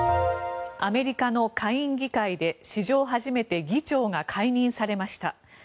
アメリカの下院議会で史上初めて議長が解任されました。